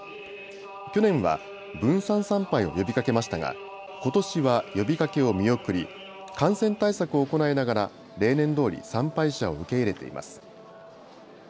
去年は分散参拝を呼びかけましたがことしは呼びかけを見送り感染対策を行いながら例年どおり参拝者を受け入れています。